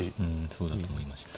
そうだと思いました。